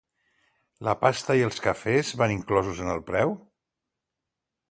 La pasta i els cafès van inclosos en el preu?